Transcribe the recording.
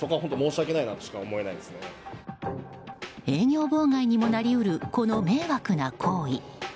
営業妨害にもなり得るこの迷惑な行為。